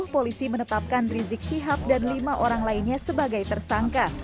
polisi menetapkan rizik syihab dan lima orang lainnya sebagai tersangka